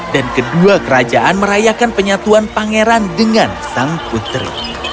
dan kedua kerajaan merayakan penyatuan pangeran dengan sang putri